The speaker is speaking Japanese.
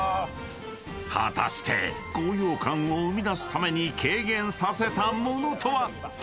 ［果たして高揚感を生み出すために軽減させたものとは？］